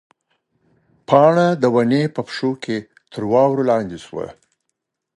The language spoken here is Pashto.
پاڼه د ونې په پښو کې تر واورو لاندې شوه.